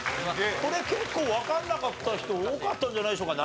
これ結構わかんなかった人多かったんじゃないでしょうか？